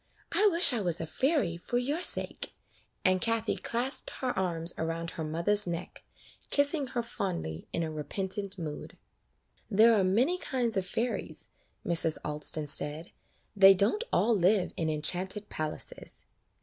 I wish I was a fairy, for your sake;" and Kathie clasped her arms around her mother's neck, kissing her fondly, in a repentant mood. "There are many kinds of fairies," Mrs. Alston said. "They don't all live in enchanted 3 — An Easter Lily 'AN EASTER LILY palaces."